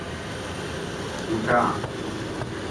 بُوٹاۤن